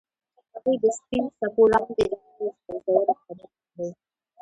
هغوی د سپین څپو لاندې د مینې ژورې خبرې وکړې.